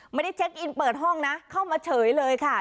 ไม่ได้เช็คอินเปิดห้องนะเข้ามาเฉยเลยค่ะ